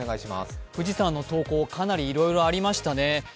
富士山の投稿、かなりいろいろありましたね。